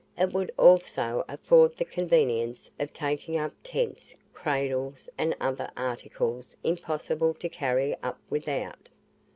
It would also afford the convenience of taking up tents, cradles, and other articles impossible to carry up without.